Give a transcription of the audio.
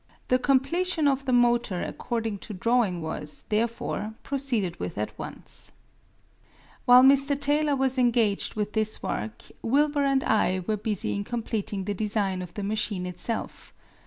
The completion of the motor according to drawing was, therefore, proceeded with at once. While Mr. Taylor was engaged with this work, Wilbur and I were busy in completing the design of the machine itself.